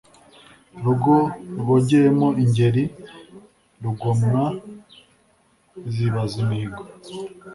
Rugo rwogeyemo IngeriRugomwa zibaza imihigo